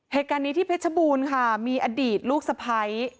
เหตุการณ์นี้ที่เพชรบูรณ์ค่ะมีอดีตลูกสะพ้าย